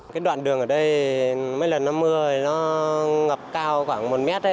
cái đoạn đường ở đây mấy lần nó mưa nó ngập cao khoảng một mét